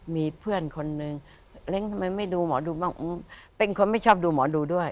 มีเพื่อนคนนึงเล้งทำไมไม่ดูหมอดูบ้างเป็นคนไม่ชอบดูหมอดูด้วย